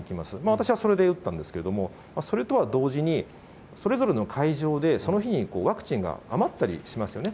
私はそれで打ったんですけれども、それとは同時に、それぞれの会場で、その日にワクチンが余ったりしますよね。